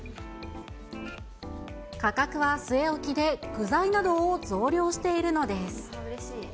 価格は据え置きで、具材などを増量しているのです。